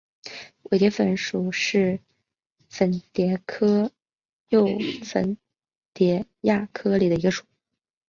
伪粉蝶属是粉蝶科袖粉蝶亚科里的一个属。